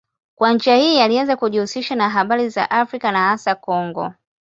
Kwa njia hii alianza kujihusisha na habari za Afrika na hasa Kongo.